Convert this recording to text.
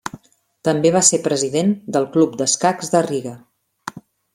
També va ser President del Club d'Escacs de Riga.